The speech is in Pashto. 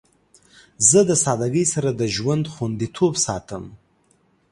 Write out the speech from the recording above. زه د سادگی سره د ژوند خوندیتوب ساتم.